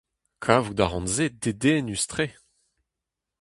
Kavout a ran se dedennus-tre !